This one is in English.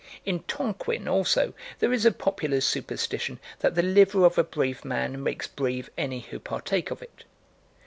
In Tonquin also there is a popular superstition that the liver of a brave man makes brave any who partake of it.